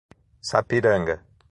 Sapiranga